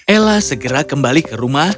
ella segera kembali ke rumah